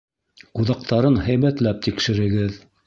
Ҡуҙаҡтарын һәйбәтләп тикшерегеҙ.